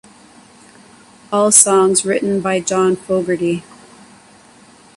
All songs written by John Fogerty.